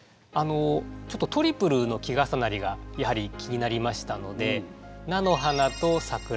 ちょっとトリプルの季重なりがやはり気になりましたので「なのはな」と「さくら」